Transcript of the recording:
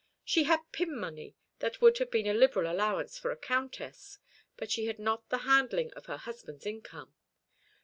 She had pin money that would have been a liberal allowance for a countess; but she had not the handling of her husband's income.